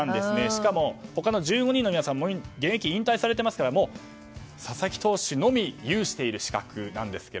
しかも他の１５人の皆さんは現役引退されていますからもう、佐々木投手のみ有している資格なんですが。